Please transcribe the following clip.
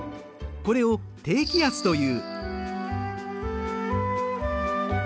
これを高気圧という。